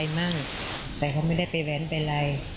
พ่อศักดีตลอดรบีซี่สุดหรือเปล่า